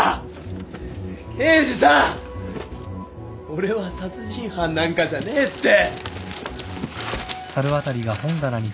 俺は殺人犯なんかじゃねえって。